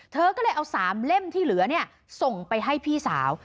เธอก็เลยเอา๓เล่มที่เหลือส่งไปให้พี่สาว